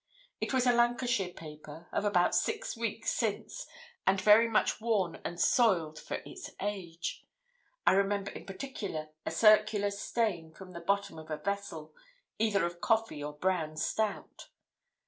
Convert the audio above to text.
It was a Lancashire paper, of about six weeks since, and very much worn and soiled for its age. I remember in particular a circular stain from the bottom of a vessel, either of coffee or brown stout.